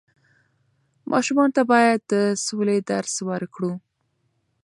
ماشومانو ته بايد د سولې درس ورکړو.